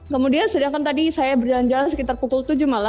kemudian sedangkan tadi saya berjalan jalan sekitar pukul tujuh malam